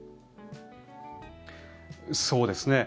そうですね。